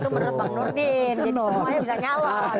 jadi semua aja bisa nyala